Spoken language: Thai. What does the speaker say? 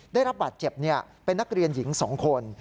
ได้รับบาดเจ็บเป็นนักเรียนหญิง๒คน